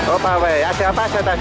oh pawai aksi apa asal tadi